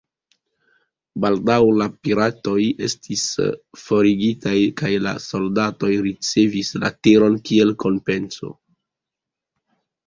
Baldaŭ la piratoj estis forigitaj kaj la soldatoj ricevis la teron kiel kompenso.